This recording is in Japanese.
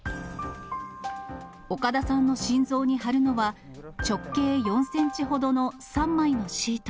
岡田さんの心臓に貼るのは、直径４センチほどの３枚のシート。